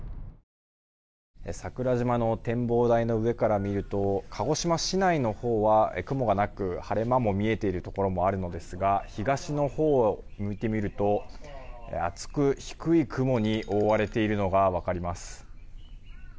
桜島の展望台の上から見ると鹿児島市内のほうは雲はなく晴れ間も見えているところもあるのですが東のほうを向いてみると厚く低い雲に覆われているのが分かります。